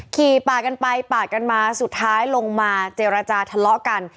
ปาดกันไปปาดกันมาสุดท้ายลงมาเจรจาทะเลาะกัน